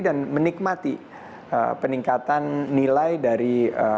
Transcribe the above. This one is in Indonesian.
dan menikmati peningkatan nilai dari